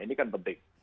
ini kan penting